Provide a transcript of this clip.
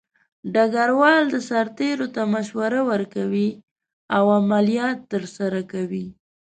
ډګروال د سرتیرو ته مشوره ورکوي او عملیات ترسره کوي.